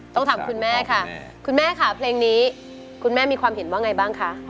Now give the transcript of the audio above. ต้องถามคุณแม่ค่ะคุณแม่ค่ะเพลงนี้คุณแม่มีความเห็นว่าไงบ้างคะ